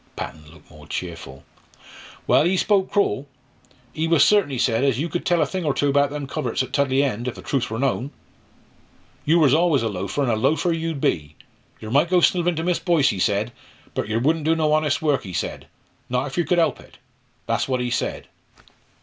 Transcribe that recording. Patton looked more cheerful. "Well, ee spoke cru'l. Ee was certain, ee said, as you could tell a thing or two about them coverts at Tudley End, if the treuth were known. You wor allus a loafer, an' a loafer you'd be. Yer might go snivellin' to Miss Boyce, ee said, but yer wouldn't do no honest work ee said not if yer could help it that's what ee said."